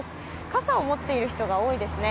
傘を持っている人が多いですね。